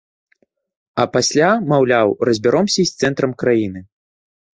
А пасля, маўляў, разбяромся і з цэнтрам краіны.